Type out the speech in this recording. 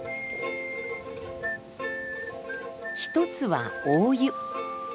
一つは大湯。